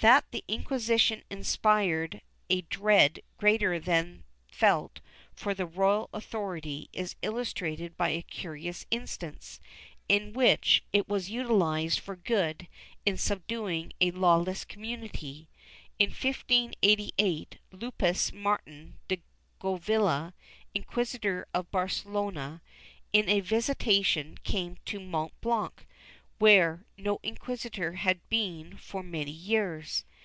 That the Inquisition inspired a dread greater than that felt for the royal authority is illustrated by a curious instance, in which it was utilized for good in subduing a lawless community. In 1588, Lupus Martin de Govilla, Inquisitor of Barcelona, in a visitation came to Montblanch, where no inquisitor had been for many years.